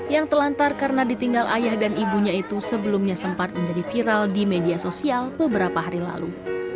yang telantar karena ditinggal ayah dan ibunya itu sebelumnya sempat menjadi viral di media sosial beberapa hari lalu